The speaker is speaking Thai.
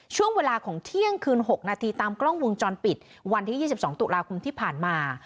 ช่วงเวลาของเที่ยงคืน๖นาทีตามกล้องวงจรปิดวันที่๒๒ตุลาคมที่ผ่านมา